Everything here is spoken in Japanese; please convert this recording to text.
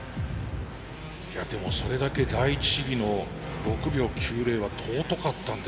でもそれだけ第一試技の６秒９０は尊かったんですね。